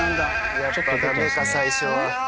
やっぱダメか最初は。